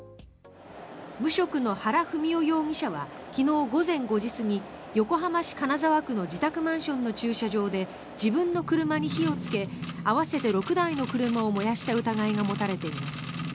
無職の原文雄容疑者は昨日午前５時過ぎ横浜市金沢区の自宅マンションの駐車場で自分の車に火をつけ合わせて６台の車を燃やした疑いが持たれています。